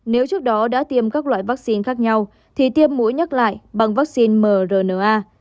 nếu trước đó đã tiêm các loại vắc xin khác nhau thì tiêm mũi nhắc lại bằng vắc xin mrna